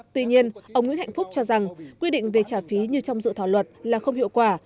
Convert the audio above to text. tuy nhiên ông nguyễn hạnh phúc cho rằng quy định về trả phí như trong dự thảo luật là không hiệu quả